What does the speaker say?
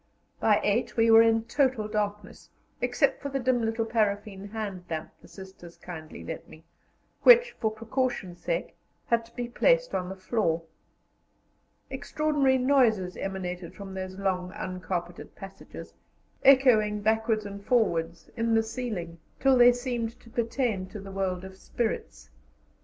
By eight we were in total darkness, except for the dim little paraffin hand lamp the Sisters kindly lent me, which, for precaution's sake, had to be placed on the floor. Extraordinary noises emanated from those long uncarpeted passages, echoing backwards and forwards, in the ceiling, till they seemed to pertain to the world of spirits.